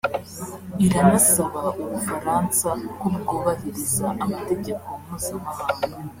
Iranasaba u Bufaransa ko bwubahiriza amategeko mpuzamahanga